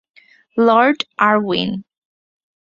Lord Irwin